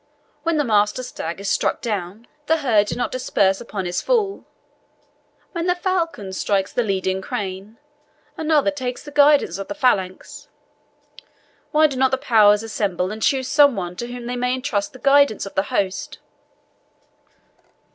When the master stag is struck down, the herd do not disperse upon his fall; when the falcon strikes the leading crane, another takes the guidance of the phalanx. Why do not the powers assemble and choose some one to whom they may entrust the guidance of the host?"